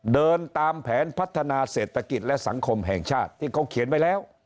เดินตามแผนพัฒนาเศรษฐกิจและสังคมแห่งชาติที่เขาเขียนไว้แล้ว